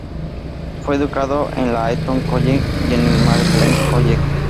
Fue educado en la Eton College y en el Magdalen College.